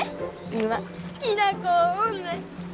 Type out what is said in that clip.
今好きな子おんねん！